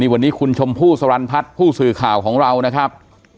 วันนี้คุณชมพู่สรรพัฒน์ผู้สื่อข่าวของเรานะครับ